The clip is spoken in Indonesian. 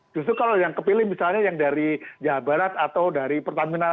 justru kalau yang kepilih misalnya yang dari jawa barat atau dari pertamina